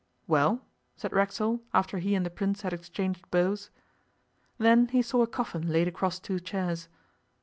'Well?' said Racksole, after he and the Prince had exchanged bows. Then he saw a coffin laid across two chairs.